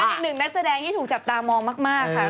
อีกหนึ่งนักแสดงที่ถูกจับตามองมากค่ะ